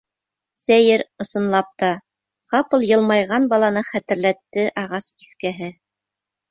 Сәйер, ысынлап та, ҡапыл йылмайған баланы хәтерләтте ағас киҫкәһе.